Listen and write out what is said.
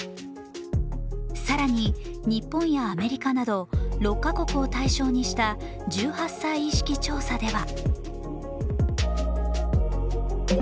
さらに、日本やアメリカなど６か国を対象にした１８歳意識調査では。